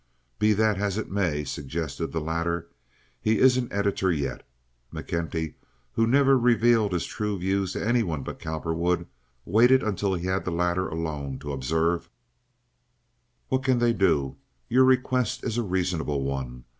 "Be that as it may," suggested the latter, "he isn't editor yet." McKenty, who never revealed his true views to any one but Cowperwood, waited until he had the latter alone to observe: What can they do? Your request is a reasonable one.